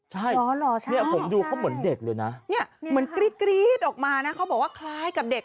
ใช่เนี่ยผมดูเขาเหมือนเด็กเลยนะเนี่ยเหมือนกรี๊ดออกมานะเขาบอกว่าคล้ายกับเด็ก